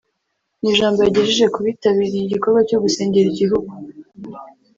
Mu ijambo yagejeje ku bitabiriye igikorwa cyo gusengera igihugu